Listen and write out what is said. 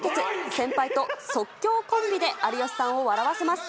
先輩と即興コンビで有吉さんを笑わせます。